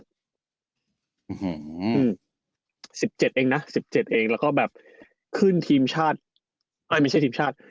๑๗เองนะ๑๗เองแล้วก็แบบขึ้นทีมชาติไม่ใช่ทีมชาติ